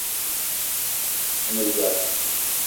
A ne odzap